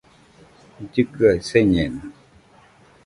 Llɨkɨaɨ señeno